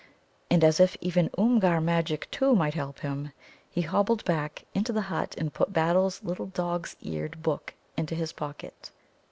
And, as if even Oomgar magic, too, might help him, he hobbled back into the hut and put Battle's little dog's eared book into his pocket.